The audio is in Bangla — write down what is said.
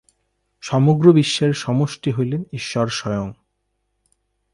সমগ্র বিশ্বের সমষ্টি হইলেন ঈশ্বর স্বয়ং।